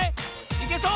いけそう？